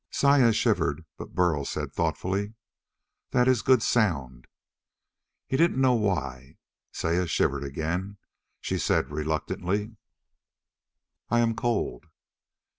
Saya shivered, but Burl said thoughtfully: "That is a good sound." He didn't know why. Saya shivered again. She said reluctantly: "I am cold."